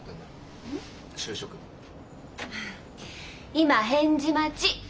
今返事待ち。